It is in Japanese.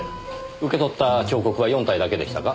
受け取った彫刻は４体だけでしたか？